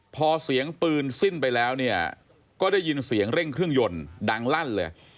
พอเสียงปืนสิ้นไปแล้วเนี่ยก็ได้ยินเสียงเร่งเครื่องยนต์ดังลั่นเลย